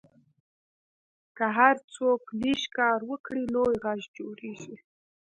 که هر څوک لږ کار وکړي، لوی غږ جوړېږي.